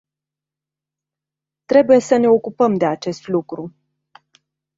Trebuie să ne ocupăm de acest lucru.